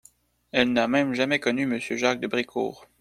Elle n'a même jamais connu Monsieur Jacques de Brécourt.